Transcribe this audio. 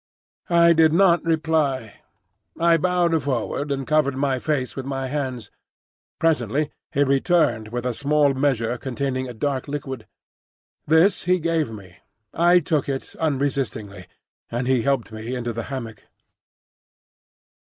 I did not reply. I bowed forward, and covered my face with my hands. Presently he returned with a small measure containing a dark liquid. This he gave me. I took it unresistingly, and he helped me into the hammock.